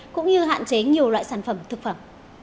cũng như hạn chế nhiều loại sản phẩm thực phẩm